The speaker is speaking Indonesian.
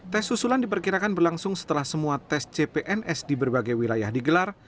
tes usulan diperkirakan berlangsung setelah semua tes cpns di berbagai wilayah digelar